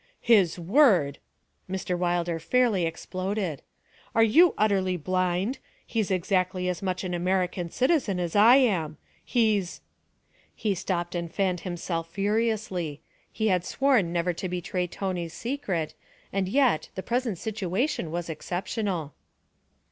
'His word!' Mr. Wilder fairly exploded. 'Are you utterly blind? He's exactly as much an American citizen as I am. He's ' He stopped and fanned himself furiously. He had sworn never to betray Tony's secret, and yet, the present situation was exceptional.